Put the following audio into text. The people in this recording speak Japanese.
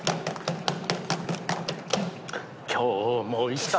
「今日も一日」